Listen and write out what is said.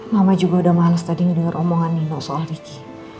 mama juga udah males tadi denger omongan nino soal riki